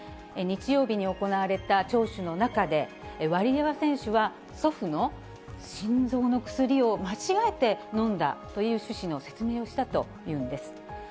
日曜日に行われた聴取の中で、ワリエワ選手は祖父の心臓の薬を間違えて飲んだという趣旨の説明をしたというんです。